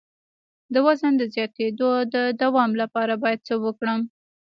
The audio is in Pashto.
د وزن د زیاتیدو د دوام لپاره باید څه وکړم؟